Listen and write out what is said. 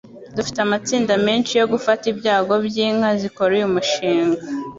Dufite amatsinda menshi yo gufata ibyago byinka zikora uyu mushinga